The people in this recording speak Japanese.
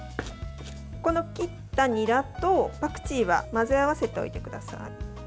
この切ったニラとパクチーは混ぜ合わせておいてください。